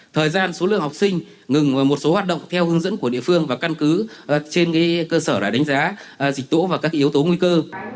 thời gian số lượng học sinh ngừng một số hoạt động theo hướng dẫn của địa phương và căn cứ trên cơ sở đã đánh giá dịch tễ và các yếu tố nguy cơ